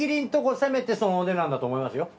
攻めてそのお値段だと思いますよ。